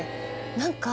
何か。